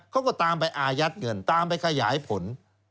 เขาก็ตามไปอายัดเงินตามไปขยายผล